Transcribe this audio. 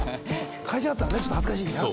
会社だったらねちょっと恥ずかしいじゃん？